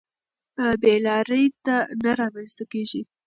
بې لارۍ نه رامنځته کېږي.